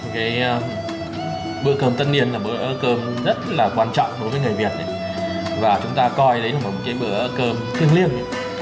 cái bữa cơm tất niên là bữa cơm rất là quan trọng đối với người việt và chúng ta coi đấy là một cái bữa cơm thiêng liêng